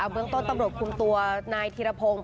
เบื้องต้นตำรวจคุมตัวนายธิรพงศ์